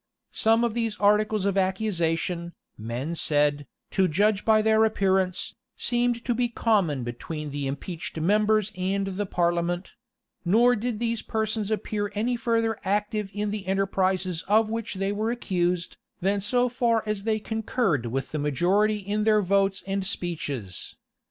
Some of these articles of accusation, men said, to judge by appearance, seem to be common between the impeached members and the parliament; nor did these persons appear any further active in the enterprises of which they were accused, than so far as they concurred with the majority in their votes and speeches.